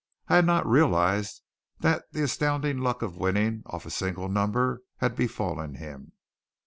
I had not realized that the astounding luck of winning off a single number had befallen him.